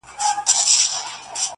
په نارو یو له دنیا له ګاونډیانو!